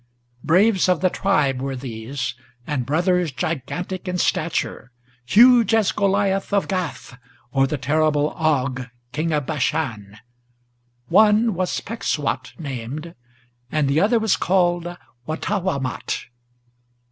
Braves of the tribe were these, and brothers gigantic in stature, Huge as Goliath of Gath, or the terrible Og, king of Bashan; One was Pecksuot named, and the other was called Wattawamat.